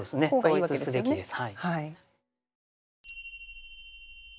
そうですね統一すべきです。